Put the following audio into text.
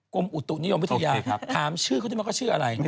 กรมอุตุนิยมวิทยาถามชื่อเขาที่มันก็ชื่ออะไร